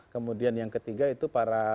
kemudian yang ketiga itu para